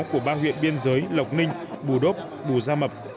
của ba huyện biên giới lộc ninh bù đốp bù gia mập